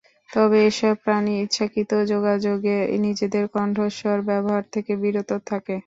তবে এসব প্রাণী ইচ্ছাকৃত যোগাযোগে নিজেদের কণ্ঠস্বর ব্যবহার থেকে বিরত থাকে।